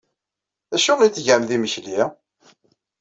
D acu ay d-tgam d imekli?